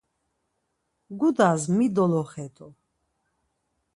Gudas mi doloxet̆u?